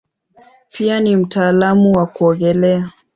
Pia ni mtaalamu wa kuogelea.